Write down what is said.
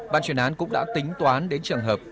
ban chuyển án cũng đã tính toán đến trường hợp